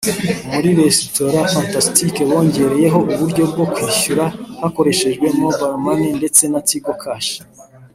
muri resitora Fantastic bongereyeho uburyo bwo kwishyura hakoreshejwe Mobile Money ndetse na Tigo cash